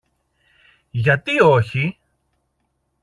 Γιατί όχι;